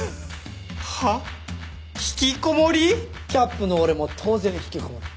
キャップの俺も当然ひきこもり。